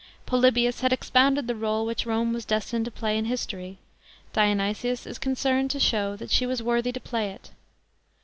Polybius had expounded the rdle which Rome was destined to play in history ; Dionysius is con cerned to show that she was worthy to play it.